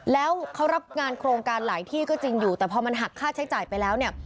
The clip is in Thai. แล้วเขารับงานโครงการหลายที่ก็จริงอยู่แต่พอมันหักค่าใช้จ่ายไปแล้วเนี่ย